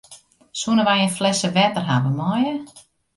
Soenen wy in flesse wetter hawwe meie?